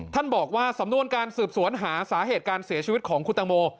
ท่านบอกว่าสำนวนการสืบสวนหาสาเหตุการเสียชีวิตของคุณตังโม